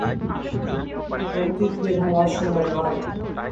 এটা অতীত নিয়ে ভাবার সময় নয়।